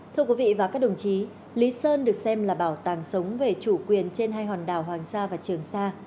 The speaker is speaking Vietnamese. thưa quý vị và các đồng chí lý sơn được xem là bảo tàng sống về chủ quyền trên hai hòn đảo hoàng sa và trường sa